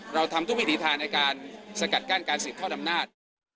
เราทำทุกวิธีทางในการสกัดกั้นการศิรษธเทาดำนาค